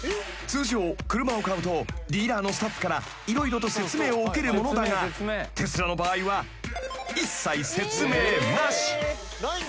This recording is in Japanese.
［通常車を買うとディーラーのスタッフから色々と説明を受けるものだがテスラの場合は一切説明なし］